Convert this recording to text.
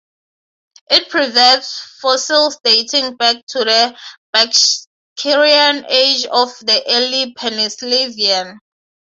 It preserves fossils dating back to the Bashkirian Age of the early Pennsylvanian.